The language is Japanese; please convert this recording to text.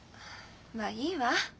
まあいいわ。